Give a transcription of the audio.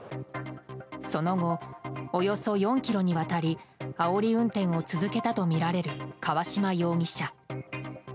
その後、およそ４ｋｍにわたりあおり運転を続けたとみられる川島容疑者。